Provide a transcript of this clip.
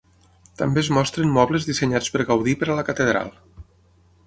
També es mostren mobles dissenyats per Gaudí per a la Catedral.